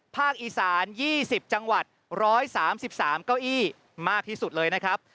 อีสาน๒๐จังหวัด๑๓๓เก้าอี้มากที่สุดเลยนะครับ